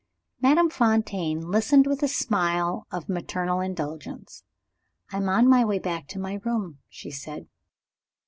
Madame Fontaine listened with a smile of maternal indulgence. "I am on my way back to my room," she said.